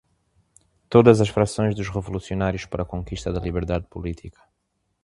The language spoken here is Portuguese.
todas as frações dos revolucionários para a conquista da liberdade política